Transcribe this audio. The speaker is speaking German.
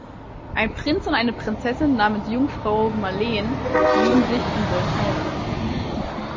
Ein Prinz und eine Prinzessin namens Jungfrau Maleen lieben sich und wollen heiraten.